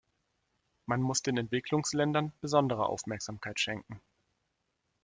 Man muss den Entwicklungsländern besondere Aufmerksamkeit schenken.